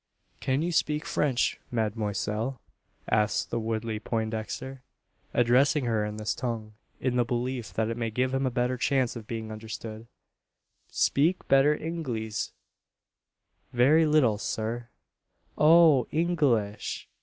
"Can you speak French, mademoiselle?" asks Woodley Poindexter, addressing her in this tongue in the belief that it may give him a better chance of being understood. "Speak better Inglees very little, sir." "Oh! English.